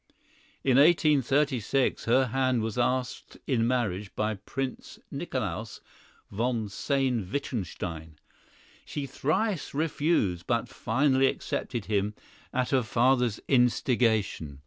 In 1836 her hand was asked in marriage by Prince Nicolaus von Sayn Wittgenstein. She thrice refused, but finally accepted him at her father's instigation.